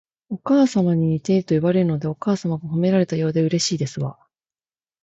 お母様に似ているといわれるので、お母様が褒められたようでうれしいですわ